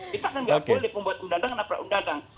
kita kan tidak boleh pembuat undang undang dengan pra undang